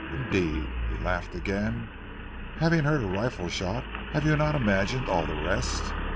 Indeed," he laughed again, "having heard a rifle shot have you not imagined all the rest?